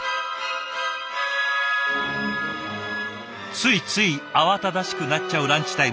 ついつい慌ただしくなっちゃうランチタイム。